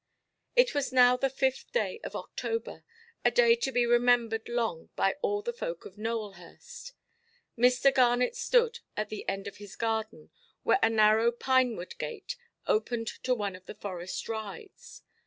It was now the fifth day of October—a day to be remembered long by all the folk of Nowelhurst. Mr. Garnet stood at the end of his garden, where a narrow pinewood gate opened to one of the forest rides.